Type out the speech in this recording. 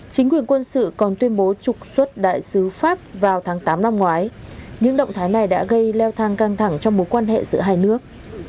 chính quyền quân sự còn tuyên bố trục xuất đại sứ pháp vào tháng tám năm ngoái những động thái này đã gây leo thang căng thẳng trong mối quan hệ giữa hai nước